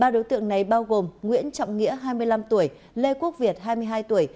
ba đối tượng này bao gồm nguyễn trọng nghĩa hai mươi năm tuổi lê quốc việt hai mươi hai tuổi